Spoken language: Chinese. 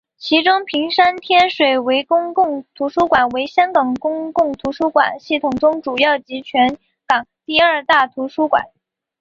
其中屏山天水围公共图书馆为香港公共图书馆系统中主要及全港第二大图书馆。